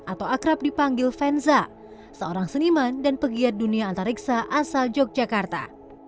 atau akrab dipanggil venza seorang seniman dan pegiat dunia antariksa asal yogyakarta